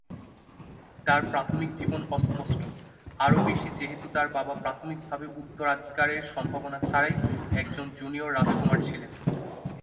তার প্রাথমিক জীবন অস্পষ্ট, আরও বেশি যেহেতু তার বাবা প্রাথমিকভাবে উত্তরাধিকারের সম্ভাবনা ছাড়াই একজন জুনিয়র রাজকুমার ছিলেন।